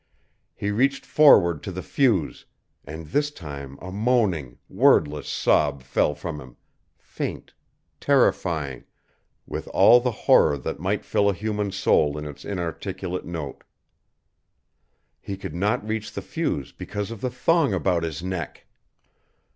He reached forward to the fuse, and this time a moaning, wordless sob fell from him, faint, terrifying, with all the horror that might fill a human soul in its inarticulate note. He could not reach the fuse because of the thong about his neck!